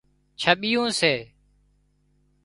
ڇٻيُون سي